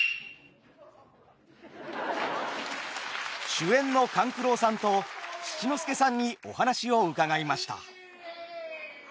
主演の勘九郎さんと七之助さんにお話を伺いました。